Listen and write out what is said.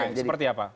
oke seperti apa